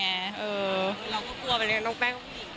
เราก็กลัวไปเลยน้องแป้งผู้หญิง